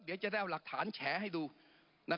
ปรับไปเท่าไหร่ทราบไหมครับ